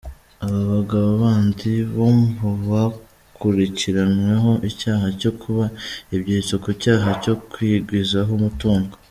Abo bagabo bandi bo bakurikiranweho icyaha cyo kuba ibyitso ku cyaha cyo kwigwizaho umutungo.